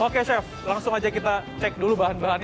oke chef langsung aja kita cek dulu bahan bahannya